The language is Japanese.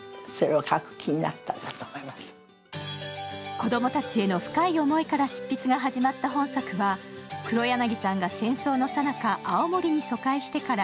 子供たちへの深い思いから執筆が始まった本作は、黒柳さんが戦争のさなか、青森に疎開してから